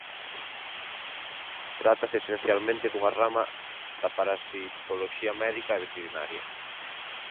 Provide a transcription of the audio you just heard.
Trátase esencialmente dunha rama da parasitoloxía médica e veterinaria.